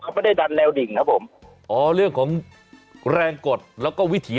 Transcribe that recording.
เขาไม่ได้ดันแนวดิ่งครับผมอ๋อเรื่องของแรงกดแล้วก็วิถี